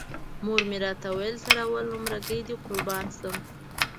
مور مې راته ویل تر اول نمره ګۍ دې قربان شم.